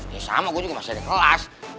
ya sama gue juga masih ada kelas